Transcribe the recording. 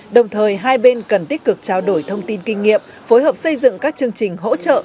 đồng thời hai bên cần tích cực trao đổi thông tin kinh nghiệm phối hợp xây dựng các chương trình hỗ trợ